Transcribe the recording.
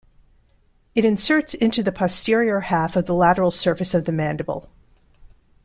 It inserts into the posterior half of the lateral surface of the mandible.